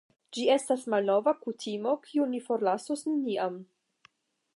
Ĝi estas malnova kutimo, kiun mi forlasos neniam.